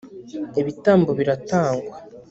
ibitambo biratangwa